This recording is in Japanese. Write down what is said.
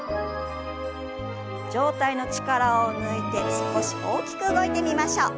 上体の力を抜いて少し大きく動いてみましょう。